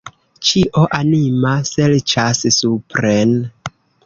Ĉio anima serĉas supren.